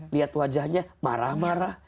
lihat wajahnya marah marah